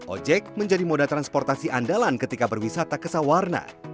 ojek menjadi moda transportasi andalan ketika berwisata ke sawarna